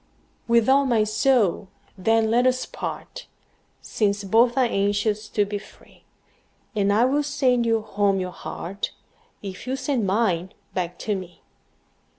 With all my soul, then, let us part, Since both are anxious to be free; And I will sand you home your heart, If you will send mine back to me.